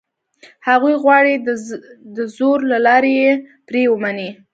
هغوی غواړي دزور له لاري یې پرې ومني.